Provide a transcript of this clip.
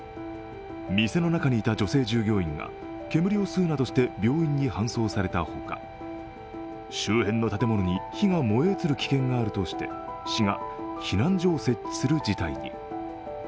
店の中にいた女性従業員が煙を吸うなどして病院に搬送されたほか周辺の建物に火が燃え移る危険があるとして市が避難所を設置する事態に。